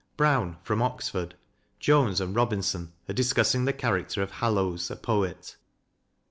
Brown, from Oxford, Jones, and Robin son are discussing the character of Hallowes, a poet.